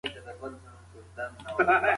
یا په رپ کي یې د سترګو یې پلورلی